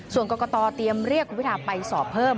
ส่วนกรกตเตรียมเรียกคุณพิทาไปสอบเพิ่ม